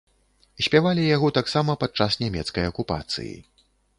Спявалі яго таксама падчас нямецкай акупацыі.